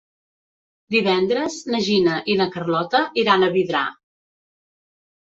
Divendres na Gina i na Carlota iran a Vidrà.